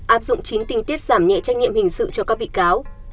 áp dụng chín tinh tiết giảm nhẹ trách nhiệm hình sự cho các bị cáo